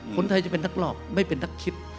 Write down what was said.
คนไทยจะเป็นนักหลอกไม่เป็นนักคิด